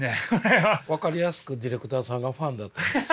分かりやすくディレクターさんがファンだったんです。